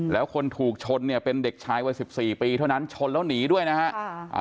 แล้วคนถูกชนเป็นเด็กชายว่า๑๔ปีเท่านั้นชนแล้วหนีด้วยนะครับ